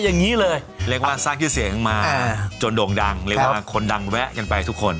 อย่างนี้เลยเรียกว่าสร้างชื่อเสียงมาจนโด่งดังเรียกว่าคนดังแวะกันไปทุกคน